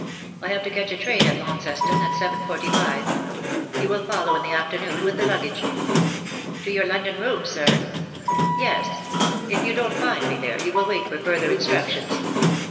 I have to catch a train at Launceston at 7.45. You will follow in the afternoon with the luggage. '^" To your London rooms^ Sir T* " Yes. If you don't find me there you will wait for further instructions.